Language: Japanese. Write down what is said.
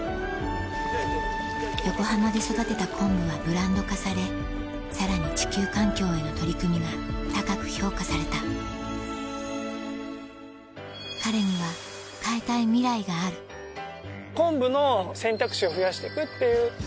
横浜で育てた昆布はブランド化されさらに地球環境への取り組みが高く評価された彼には変えたいミライがある昆布の選択肢を増やしていくっていう。